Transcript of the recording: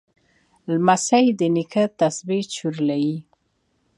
لمسی د نیکه تسبیح چورلي.